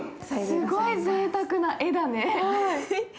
すごいぜいたくな画だね。